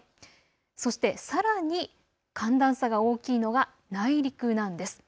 そしてさらに寒暖差が大きいのが内陸なんです。